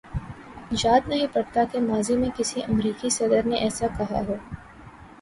یاد نہیں پڑتا کہ ماضی میں کسی امریکی صدر نے ایسا کہا ہو۔